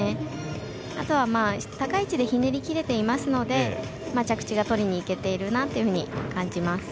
あとは高い位置でひねりきれていますので着地がとりにいけているなというふうに感じます。